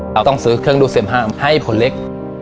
เราต้องซื้อเครื่องดูเซ็มห้ามให้ผลเล็ก